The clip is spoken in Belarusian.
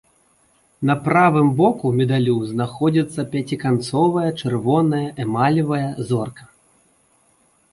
На правым боку медалю знаходзіцца пяціканцовая чырвоная эмалевая зорка.